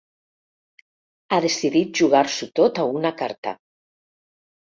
Ha decidit jugar-s'ho tot a una carta.